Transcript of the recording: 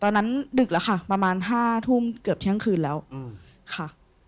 ดึกแล้วค่ะประมาณ๕ทุ่มเกือบเที่ยงคืนแล้วค่ะ